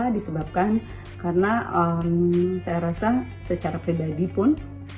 disebabkan karena saya rasa secara pribadi pun